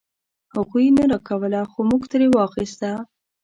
هغوی نه راکوله خو مونږ ترې واخيسته.